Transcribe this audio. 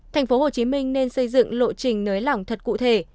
thành phố hồ chí minh nên xây dựng lộ trình nới lỏng thật cụ thể